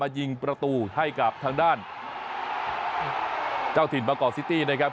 ยิงประตูให้กับทางด้านเจ้าถิ่นมากอกซิตี้นะครับ